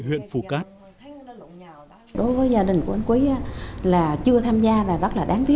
huyện phù cát